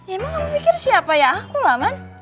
emang kamu pikir siapa ya aku lahan